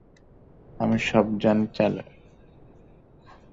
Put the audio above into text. আমি শবযানের চালক।